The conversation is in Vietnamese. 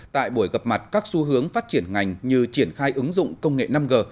tại buổi gặp mặt các xu hướng phát triển ngành như triển khai ứng dụng công nghệ năm g